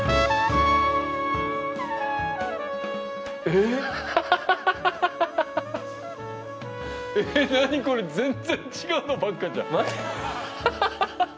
え何これ全然違うのばっかじゃん。